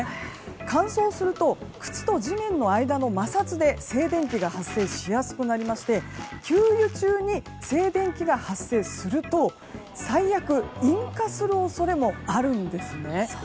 乾燥すると靴と地面の間の摩擦で静電気が発生しやすくなりまして給油中に静電気が発生すると最悪、引火する恐れもあるんですね。